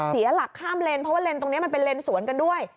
เสียหลักข้ามเลนเพราะว่าเลนตรงนี้มันเป็นเลนสวนกันด้วย